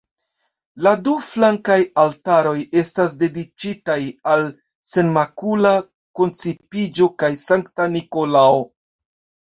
La du flankaj altaroj estas dediĉitaj al Senmakula Koncipiĝo kaj Sankta Nikolao.